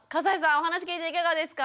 お話聞いていかがですか？